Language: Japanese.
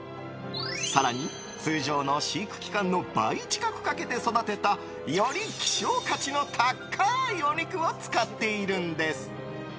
更に、通常の飼育期間の倍近くかけて育てたより希少価値の高いお肉を使っているんです。